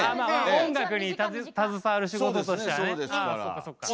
音楽に携わる仕事としてはね。